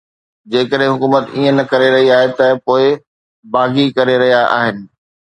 جيڪڏهن حڪومت ائين نه ڪري رهي آهي ته پوءِ باغي ڪري رهيا آهن